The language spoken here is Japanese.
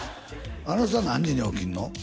あの人は何時に起きんの？